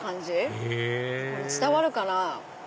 へぇこれ伝わるかな？